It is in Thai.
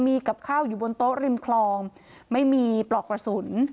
มีกับข้าวอยู่บนโต๊ะริมคลองไม่มีปลอกกระสุน